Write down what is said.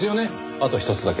あとひとつだけ。